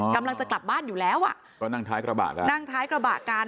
กำลังจะกลับบ้านอยู่แล้วนั่งท้ายกระบะกัน